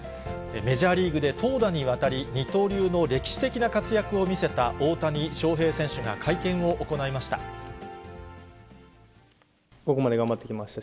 メジャーリーグで投打にわたり、二刀流の歴史的な活躍を見せた大谷翔平選手が会見を行いました。